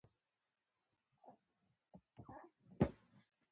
بیا د مرغانو سندرې د نوې ورځې پیل اعلانوي